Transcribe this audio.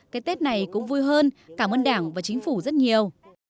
cái tết này cũng vui hơn cảm ơn đảng và chính phủ rất nhiều